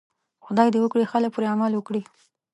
خدای دې وکړي خلک پرې عمل وکړي.